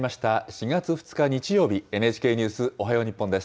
４月２日日曜日、ＮＨＫニュースおはよう日本です。